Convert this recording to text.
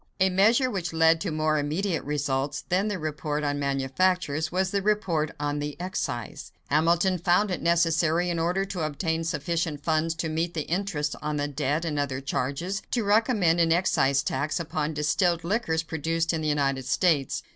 A measure which led to more immediate results than the report on manufactures was the report on the excise. Hamilton found it necessary, in order to obtain sufficient funds to meet the interest on the debt and other charges, to recommend an excise tax upon distilled liquors produced in the United States.